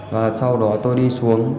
và sau đó tôi đi xuống